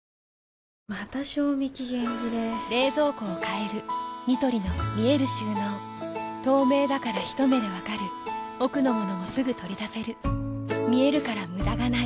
また賞味期限切れ冷蔵庫を変えるニトリの見える収納透明だからひと目で分かる奥の物もすぐ取り出せる見えるから無駄がないよし。